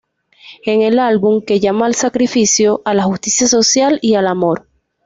Es un álbum que llama al sacrificio, a la justicia social y al amor".